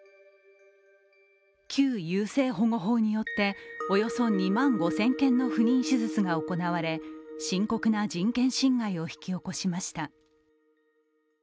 旧優生保護法によっておよそ２万５０００件の不妊手術が行われ深刻な人権侵害を引き起こしました。